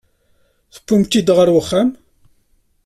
Tewwimt-t-id ɣer uxxam?